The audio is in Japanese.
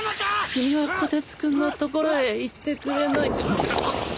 君は小鉄君の所へ行ってくれないか。